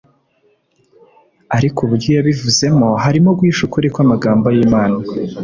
ariko uburyo yabivuzemo harimo guhisha ukuri kw' amagambo y'Imana